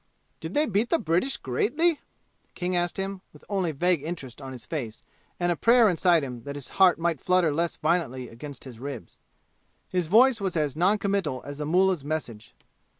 "Did they beat the British greatly?" King asked him, with only vague interest on his face and a prayer inside him that his heart might flutter less violently against his ribs. His voice was as non committal as the mullah's message.